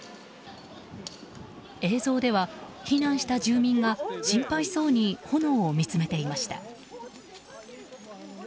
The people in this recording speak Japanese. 映像では避難した住民が心配そうに炎を見つめていました。